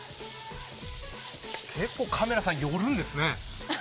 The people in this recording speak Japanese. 結構カメラさん寄るんですね。